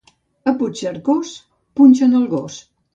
A Puigcercós, punxen el gos.